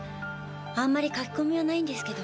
あんまり書き込みはないんですけど。